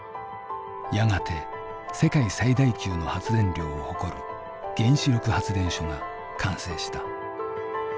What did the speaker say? やがて世界最大級の発電量を誇る原子力発電所が完成した。